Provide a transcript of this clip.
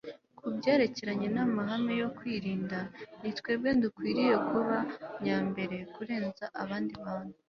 ku byerekeranye n'amahame yo kwirinda, ni twebwe dukwiriye kuba nyambere kurenza abandi bantu